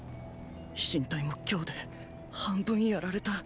飛信隊も今日で半分やられた。